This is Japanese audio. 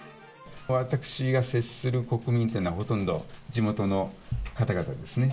私が接する国民というのは、ほとんど地元の方々ですね。